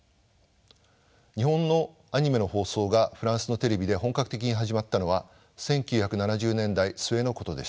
日本のアニメの放送がフランスのテレビで本格的に始まったのは１９７０年代末のことでした。